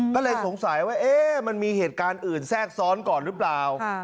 ก็เลยสงสัยว่ามันมีเหตุการณ์อื่นแทรกซ้อนก่อนหรือเปล่า